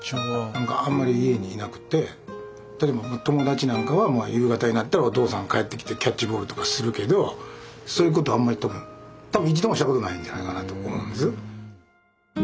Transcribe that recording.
何かあんまり家に居なくて例えば友達なんかはもう夕方になったらお父さん帰ってきてキャッチボールとかするけどそういうこと多分一度もしたことないんじゃないかなと思うんです。